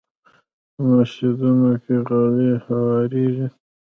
په مسجدونو کې غالۍ هوارېږي.